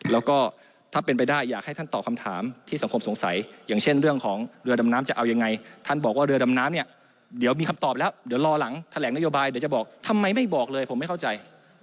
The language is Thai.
แล้วก็ถ้าเป็นไปได้อยากให้ท่านตอบคำถามที่สังคมสงสัยอย่างเช่นเรื่องของเรือดำน้ำจะเอายังไงท่านบอกว่าเรือดำน้ำเนี่ยเดี๋ยวมีคำตอบแล้วเดี๋ยวรอหลังแถลงนโยบายเดี๋ยวจะบอกทำไมไม่บอกเลยผมไม่เข้าใจ